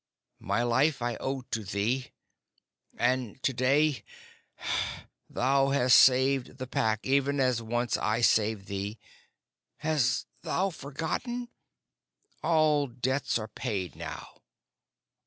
My life I owe to thee, and to day thou hast saved the Pack even as once I saved thee. Hast thou forgotten? All debts are paid now.